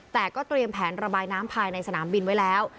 แต่ก็เตรียมแผนระบายน้ำภายในสนามบินไว้แล้ว